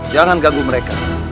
jangan ganggu mereka